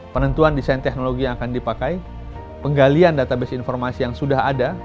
penentuan desain teknologi yang akan dipakai penggalian database informasi yang sudah ada